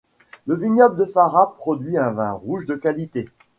Le vignoble de Fara produit un vin rouge de qualité.